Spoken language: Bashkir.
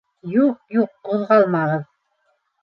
— Юҡ, юҡ, ҡуҙғалмағыҙ.